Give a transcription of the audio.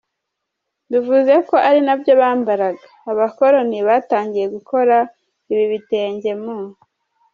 bivuze ko ari nabyo bambaraga, Aba bakoloni batangiye gukora ibi bitenge mu